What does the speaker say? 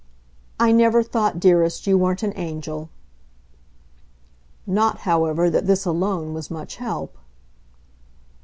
"I never thought, dearest, you weren't an angel." Not, however, that this alone was much help!